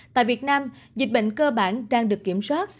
tại việt nam dịch bệnh cơ bản đang được kiểm soát